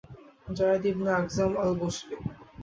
Zayed ibn Akhzam al-Basri